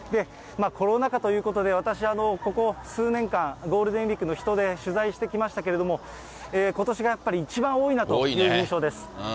コロナ禍ということで、私、ここ数年間、ゴールデンウィークの人出、取材してきましたけれども、ことしがやっぱり一番多いなという印象です。